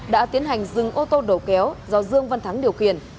đã tiến hành dừng ô tô đầu kéo do dương văn thắng điều khiển